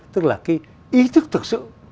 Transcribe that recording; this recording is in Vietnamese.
tức là cái ý thức thực sự